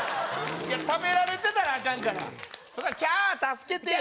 いや食べられてたらアカンからそこは「キャー助けて」よ